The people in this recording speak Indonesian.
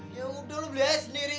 yaudah lu beli es sendiri